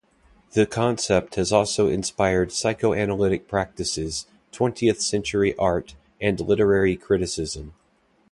The concept has also inspired psychoanalytic practices, twentieth-century art, and literary criticism.